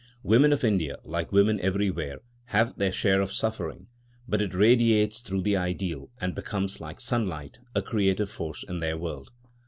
Women of India, like women everywhere, have their share of suffering, but it radiates through the ideal, and becomes, like sunlight, a creative force in their world.